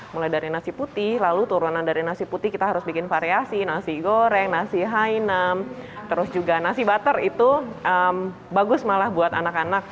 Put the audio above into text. mulai dari nasi putih lalu turunan dari nasi putih kita harus bikin variasi nasi goreng nasi hainum terus juga nasi butter itu bagus malah buat anak anak